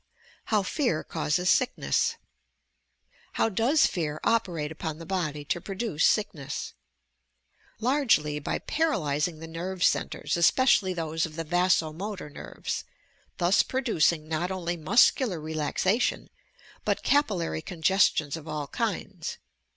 now PEAK CADSES SICKNESS How does fear operate upon the body to produce sickness? Largely by paralyzing the nerve centres, especially those of the vaso motor nerves — thus produc ing not only muscular reJasation, hut capillary con gestions of all kinds.